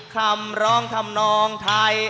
คำร้องทำนองไทย